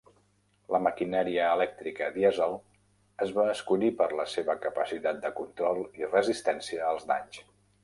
La maquinària elèctrica dièsel es va escollir per la seva capacitat de control i resistència als danys.